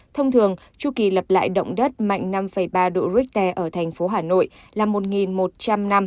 thông thường chu kỳ lập lại động đất mạnh năm ba độ richter ở thành phố hà nội là một một trăm linh năm